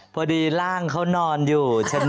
อ๋อพอดีร่างเค้านอนอยู่